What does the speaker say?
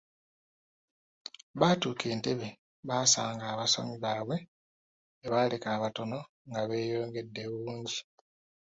Baatuuka Entebbe baasanga abasomi baabwe be baaleka abatono nga beeyongedde obungi.